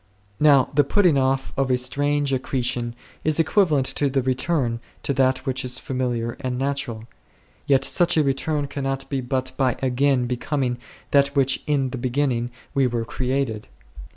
Now the putting off' of a strange accretion is equivalent to the re turn to that which is familiar and natural ; yet such a return cannot be but by again becoming that which in the beginning we were created.